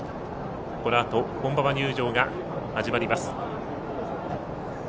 このあと本馬場入場が始まります。